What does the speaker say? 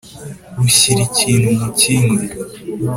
rushyira ikintu mu kindi!